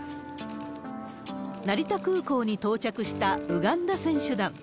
成田空港に到着したウガンダ選手団。